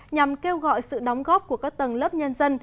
nhằm kêu gọi sự đóng góp của các tầng lớp nhân dân